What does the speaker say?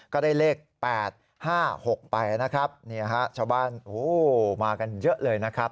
ก็ได้เลข๘๕๖ไปนะครับชาวบ้านมากันเยอะเลยนะครับ